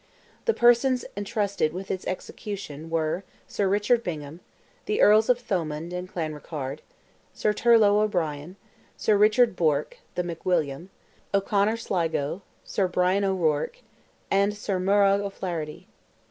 The persons entrusted with its execution were Sir Richard Bingham, the Earls of Thomond and Clanrickarde; Sir Turlogh O'Brien, Sir Richard Bourke (the McWilliam), O'Conor Sligo, Sir Brian O'Ruarc, and Sir Murrogh O'Flaherty.